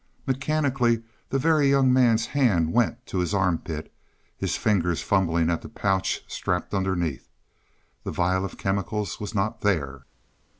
Mechanically the Very Young Man's hand went to his armpit, his fingers fumbling at the pouch strapped underneath. The vial of chemicals was not there!